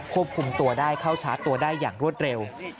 ควบคุมตัวได้เข้าชาร์จตัวได้อย่างรวดเร็ว